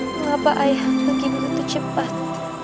kenapa ayah begitu cepat